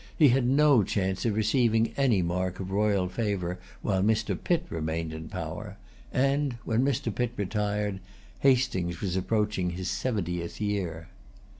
He had no chance of receiving any mark of royal favor while Mr. Pitt remained in power; and, when Mr. Pitt retired, Hastings was approaching his seventieth year.